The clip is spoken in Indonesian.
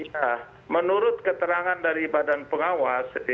ya menurut keterangan dari badan pengawas